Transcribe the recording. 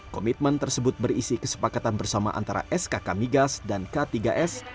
komitmen tersebut berisi kesepakatan bersama antara skk migas dan k tiga s